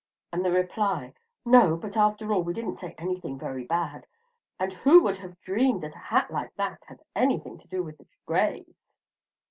and the reply, "No; but after all, we didn't say anything very bad, and who would have dreamed that a hat like that had anything to do with the Grays?"